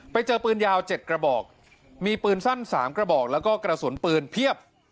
ไปเจอปืนยาว๗กระบอกมีปืนสั้น๓กระบอกแล้วก็กระสุนปืนเพียบ